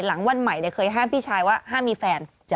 หลังวันใหม่เคยห้ามพี่ชายว่าห้ามมีแฟน